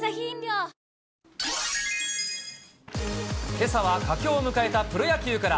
けさは佳境を迎えたプロ野球から。